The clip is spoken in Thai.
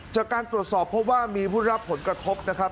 จากการตรวจสอบพบว่ามีผู้รับผลกระทบนะครับ